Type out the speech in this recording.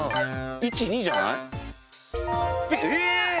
１２じゃない？え！？